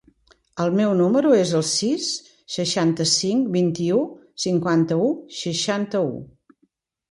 El meu número es el sis, seixanta-cinc, vint-i-u, cinquanta-u, seixanta-u.